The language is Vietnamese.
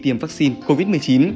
tiêm vaccine covid một mươi chín